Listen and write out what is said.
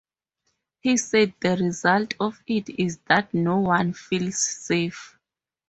He said the result of it is that no one feels safe!